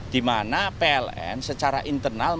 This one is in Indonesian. di mana pln secara internal